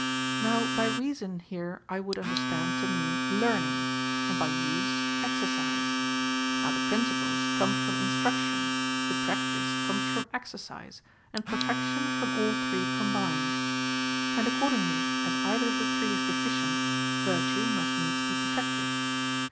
Now by reason here I would be understood to mean learning ; and by nse, exercise. Now the principles come from instruction, the practice comes from exercise, and perfection from all three combined. And accordingly as either of the three is deficient, virtue must needs be defective.